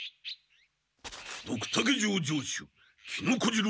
ドクタケ城城主木野小次郎